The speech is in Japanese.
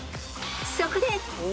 ［そこで］